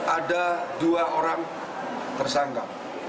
ada dua orang tersangka